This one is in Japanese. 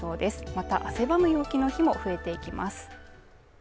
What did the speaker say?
また汗ばむ陽気の日も増えていきます。